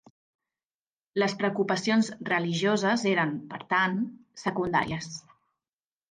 Les preocupacions religioses eren, per tant, secundàries.